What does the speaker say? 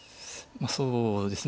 そうですね。